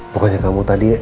bukannya kamu tadi